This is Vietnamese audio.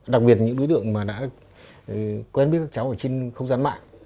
đặc biệt những đối tượng mà đã quen biết các cháu ở trên không gian mạng